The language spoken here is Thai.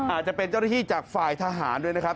อาจจะเป็นเจ้าหน้าที่จากฝ่ายทหารด้วยนะครับ